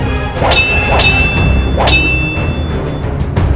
aku terpaksa mencari rambu ranubaya